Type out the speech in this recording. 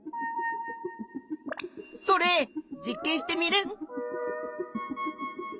それ実験しテミルン。